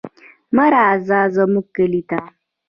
مه راځه زموږ کلي ته.